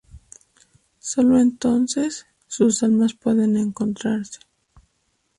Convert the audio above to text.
Solo entonces sus almas pueden encontrarse.